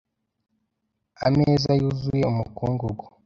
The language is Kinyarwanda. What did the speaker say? Ameza yuzuye umukungugu .